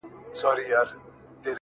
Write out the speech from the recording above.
• لکه شمع بلېده په انجمن کي,